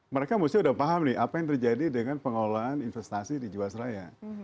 mereka musti sudah paham nih apa yang terjadi dengan pengelolaan investasi di jawa seraya